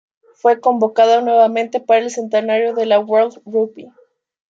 Fue convocado nuevamente para el centenario de la World Rugby.